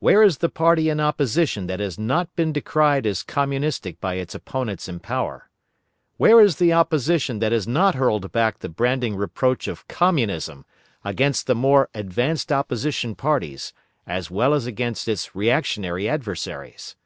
Where is the party in opposition that has not been decried as Communistic by its opponents in power? Where is the Opposition that has not hurled back the branding reproach of Communism, against the more advanced opposition parties, as well as against its reactionary adversaries?